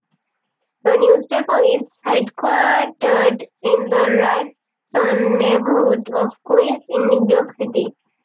The newspaper is headquartered in the Whitestone neighborhood of Queens in New York City.